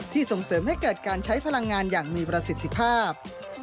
ส่งเสริมให้เกิดการใช้พลังงานอย่างมีประสิทธิภาพ